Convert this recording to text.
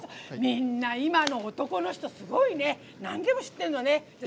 みんな今の男の人すごいね、なんでも知ってるのね。